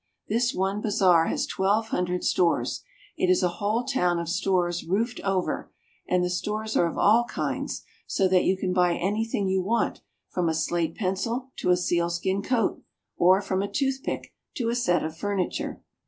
This one bazaar has twelve hundred stores; it is a whole town of stores roofed over, and the stores are of all kinds, so that you can buy anything you want from a slate pencil to a sealskin coat, or from a toothpick to a set of furniture.